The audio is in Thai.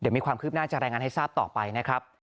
มีความคืบหน้าจะรายงานให้ทราบต่อไปนะครับ